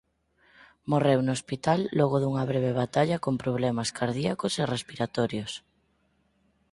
Morreu no hospital logo dunha breve batalla con problemas cardíacos e respiratorios.